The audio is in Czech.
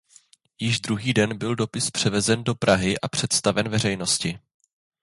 Již druhý den byl dopis převezen do Prahy a představen veřejnosti.